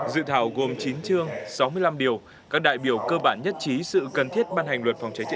dự thảo gồm chín chương sáu mươi năm điều các đại biểu cơ bản nhất trí